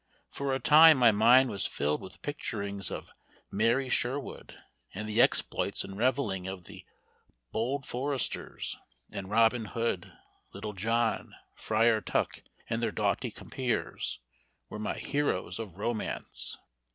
For a time my mind was filled with picturings of "merry Sherwood," and the exploits and revelling of the hold foresters; and Robin Hood, Little John, Friar Tuck, and their doughty compeers, were my heroes of romance.